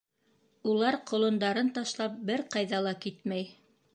Улар, ҡолондарын ташлап, бер ҡайҙа ла китмәй.